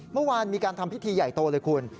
เมื่อวานมีการทำพิธีใหญ่โตเลยคุณ